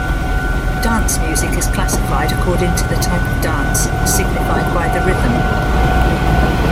Dance music is classified according to the type of dance signified by the rhythm.